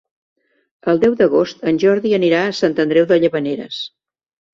El deu d'agost en Jordi anirà a Sant Andreu de Llavaneres.